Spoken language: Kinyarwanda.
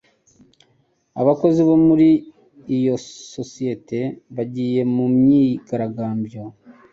Abakozi bo muri iyo sosiyete bagiye mu myigaragambyo.